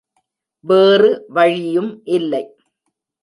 வேறு வழியும் இல்லை.